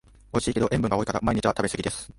おいしいけど塩分が多いから毎日は食べすぎです